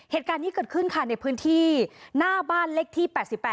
เหตุการณ์นี้เกิดขึ้นค่ะในพื้นที่หน้าบ้านเลขที่๘๘